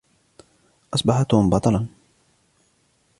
أصبح توم بطلا.